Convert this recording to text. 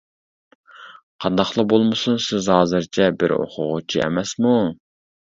قانداقلا بولمىسۇن سىز ھازىرچە بىر ئوقۇغۇچى ئەمەسمۇ.